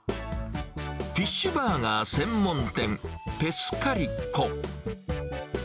フィッシュバーガー専門店、ペスカリコ。